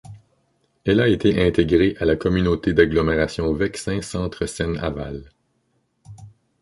Elle a été intégrée à la Communauté d'agglomération Vexin Centre Seine Aval.